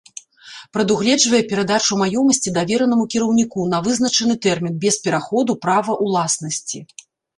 Прадугледжвае перадачу маёмасці давернаму кіраўніку на вызначаны тэрмін без пераходу права ўласнасці.